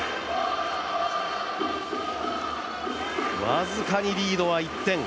僅かにリードは１点。